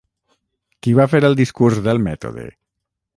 Qui va fer el Discurs del mètode?